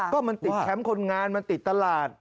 ก็มันติดแคมป์คนงานมันติดตลาด